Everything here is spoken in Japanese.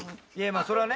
あそれはね。